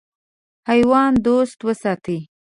حیوان دوست وساتئ.